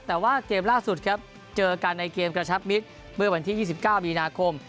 แต่ว่าเกมล่าสุดครับเจอกันในเกมกระชับมิตรเมื่อวันที่๒๙มีนาคม